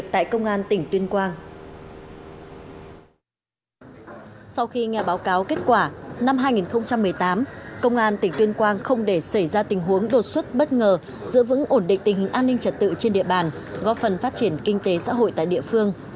công an tỉnh tuyên quang không để xảy ra tình huống đột xuất bất ngờ giữ vững ổn định tình hình an ninh trật tự trên địa bàn góp phần phát triển kinh tế xã hội tại địa phương